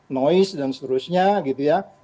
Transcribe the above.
noise dan seterusnya gitu ya